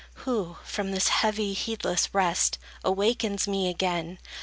Who, from this heavy, heedless rest Awakens me again?